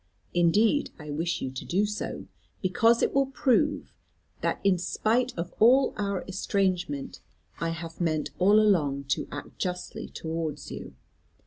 Indeed I wish you to do so, because it will prove that in spite of all our estrangement, I have meant all along to act justly towards you.